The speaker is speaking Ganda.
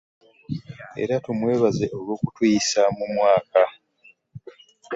Era tumwebaze olw'okutuyisa mu mwaka